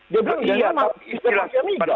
dia bilang dia mau istilahnya tidak